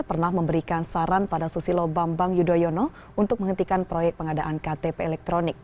pernah memberikan saran pada susilo bambang yudhoyono untuk menghentikan proyek pengadaan ktp elektronik